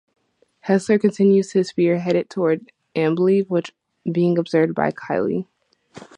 Hessler continues his spearhead toward Ambleve, while being observed by Kiley.